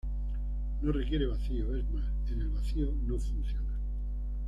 No requiere vacío; es más, en el vacío no funciona.